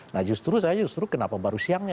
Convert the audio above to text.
nah justru saya justru kenapa baru siangnya